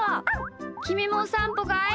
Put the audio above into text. きみもおさんぽかい？